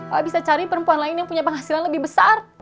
kalau bisa cari perempuan lain yang punya penghasilan lebih besar